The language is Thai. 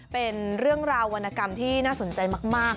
เป็นเรื่องราววรรณกรรมที่น่าสนใจมาก